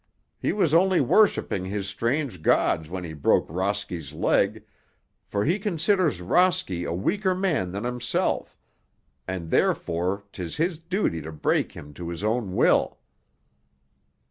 He was only worshipping his strange gods when he broke Rosky's leg, for he considers Rosky a weaker man than himself, and therefore 'tis his duty to break him to his own will."